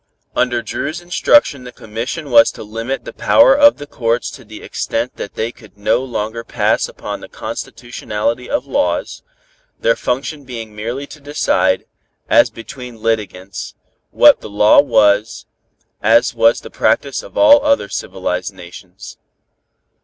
Under Dru's instruction the commission was to limit the power of the courts to the extent that they could no longer pass upon the constitutionality of laws, their function being merely to decide, as between litigants, what the law was, as was the practice of all other civilized nations.